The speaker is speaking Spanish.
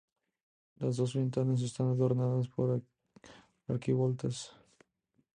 Las dos ventanas están adornadas por arquivoltas.